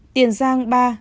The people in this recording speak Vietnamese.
tiền giang ba